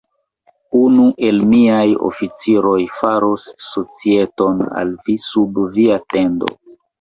Unu el miaj oficiroj faros societon al vi sub via tendo.